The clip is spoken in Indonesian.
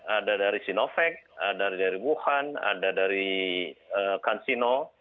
ada dari sinovac ada dari wuhan ada dari kansino